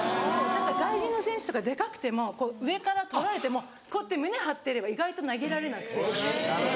外人の選手とかデカくても上から取られてもこうやって胸張ってれば意外と投げられなくて。